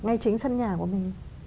ngay chính sân nhà của mình